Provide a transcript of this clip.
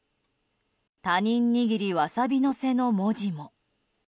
「他人握りわさび乗せ」の文字も。